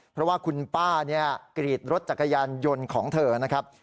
เพราะว่าคุณป้าเนี่ยกรีดรถจักรยานยนต์ของเธอนะครับ